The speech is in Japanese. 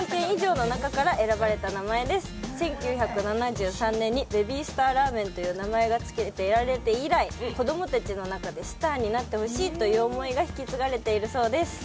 １９７３年にベビースターラーメンという名前がつけられて以来子供たちの中でスターになってほしいという思いが引き継がれているそうです。